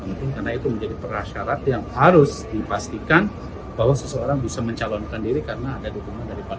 yose menjelaskan itated pada hari ini dan menjadi per syarat yang harus dipastikan bahwa seseorang bisa mencalonkan diri karena ada dukungan dari partai politik